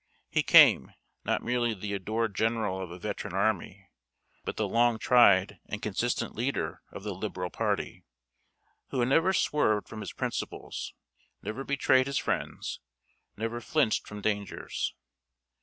He came, not merely the adored general of a veteran army, but the long tried and consistent leader of the liberal party, who had never swerved from his principles, never betrayed his friends, never flinched from dangers.